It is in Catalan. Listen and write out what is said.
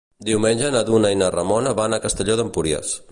Diumenge na Duna i na Ramona van a Castelló d'Empúries.